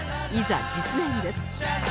いざ実演です